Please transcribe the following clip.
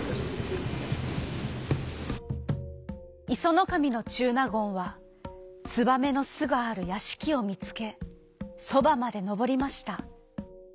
いそのかみのちゅうなごんはつばめのすがあるやしきをみつけそばまでのぼりました。